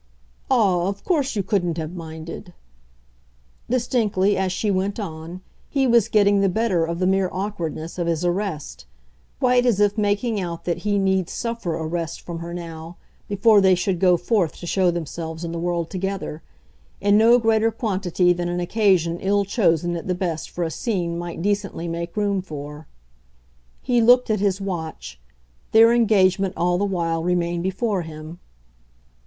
"Ah, of course you couldn't have minded!" Distinctly, as she went on, he was getting the better of the mere awkwardness of his arrest; quite as if making out that he need SUFFER arrest from her now before they should go forth to show themselves in the world together in no greater quantity than an occasion ill chosen at the best for a scene might decently make room for. He looked at his watch; their engagement, all the while, remained before him.